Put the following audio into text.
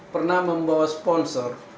pernah membawa sponsor